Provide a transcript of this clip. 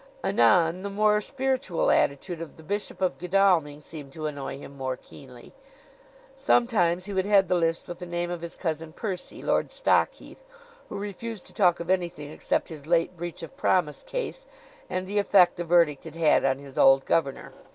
Anon the more spiritual attitude of the Bishop of Godalming seemed to annoy him more keenly. Sometimes he would head the list with the name of his Cousin Percy Lord Stockheath who refused to talk of anything except his late breach of promise case and the effect the verdict had had on his old governor.